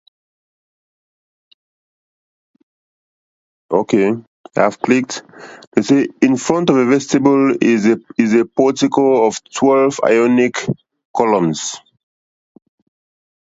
In front of the vestibule is the portico of twelve Ionic columns.